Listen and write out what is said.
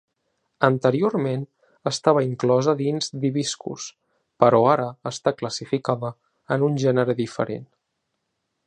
Anteriorment estava inclosa dins d'"Hibiscus", però ara està classificada en un gènere diferent.